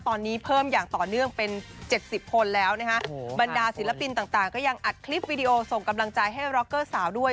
ตอนนี้เพิ่มอย่างต่อเนื่องเป็น๗๐คนแล้วนะฮะบรรดาศิลปินต่างก็ยังอัดคลิปวิดีโอส่งกำลังใจให้ร็อกเกอร์สาวด้วย